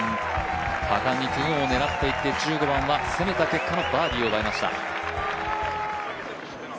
果敢に２オンを狙っていって１５番は攻めた結果のバーディーを奪いました。